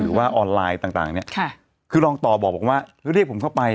หรือว่าออนไลน์ต่างต่างเนี่ยค่ะคือรองต่อบอกว่าเรียกผมเข้าไป